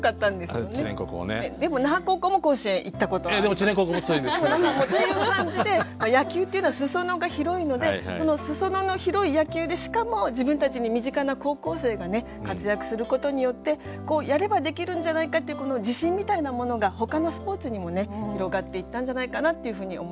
っていう感じで野球っていうのは裾野が広いのでこの裾野の広い野球でしかも自分たちに身近な高校生が活躍することによってやればできるんじゃないかっていうこの自信みたいなものがほかのスポーツにも広がっていったんじゃないかなっていうふうに思いますね。